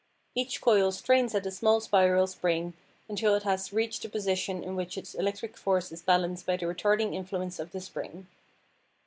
Each coil strains at a small spiral spring until it has reached the position in which its electric force is balanced by the retarding influence of the spring.